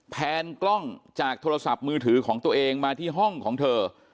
แนนกล้องจากโทรศัพท์มือถือของตัวเองมาที่ห้องของเธอ